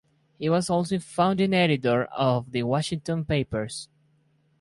He was also founding editor of "The Washington Papers".